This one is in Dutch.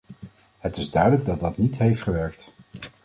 Het is duidelijk dat dat niet heeft gewerkt.